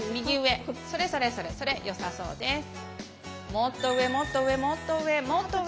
もっと上もっと上もっと上もっと上。